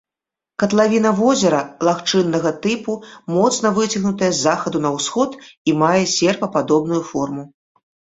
Катлавіна возера лагчыннага тыпу, моцна выцягнутая з захаду на ўсход і мае серпападобную форму.